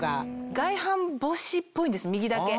外反母趾っぽいんです右だけ。